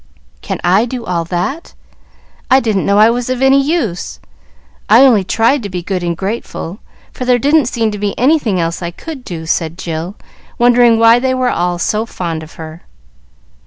"Can I do all that? I didn't know I was of any use. I only tried to be good and grateful, for there didn't seem to be anything else I could do," said Jill, wondering why they were all so fond of her.